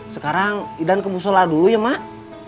sekarang idan ke bu sholat dulu ya mak